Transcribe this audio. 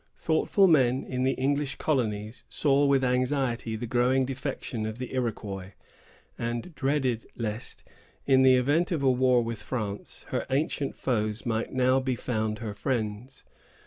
Thoughtful men in the English colonies saw with anxiety the growing defection of the Iroquois, and dreaded lest, in the event of a war with France, her ancient foes might now be found her friends.